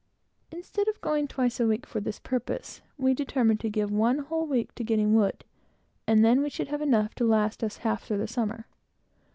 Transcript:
Instead of going twice a week for this purpose, we determined to give one whole week to getting wood, and then we should have enough to last us half through the summer.